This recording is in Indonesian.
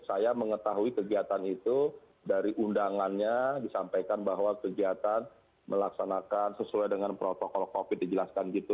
saya mengetahui kegiatan itu dari undangannya disampaikan bahwa kegiatan melaksanakan sesuai dengan protokol covid dijelaskan gitu